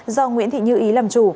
do nguyễn thị như ý làm chủ